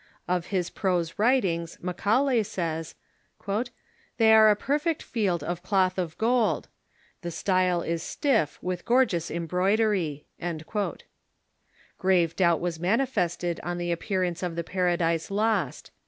Of his prose writings JMacaulay says : "They are a perfect field of cloth of gold. The style is stiff with gorgeous embroidery." Grave doubt was manifested on the appearance of the "Paradise Lost."